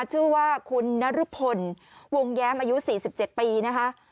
ชื่อว่าคุณนรพลวงแย้มอายุ๔๗ปีนะคะ